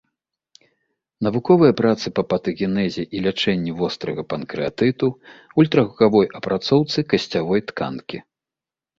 Навуковыя працы па патагенезе і лячэнні вострага панкрэатыту, ультрагукавой апрацоўцы касцявой тканкі.